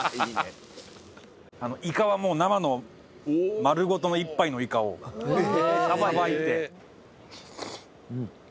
イカはもう生の丸ごとの１杯のイカをさばいて。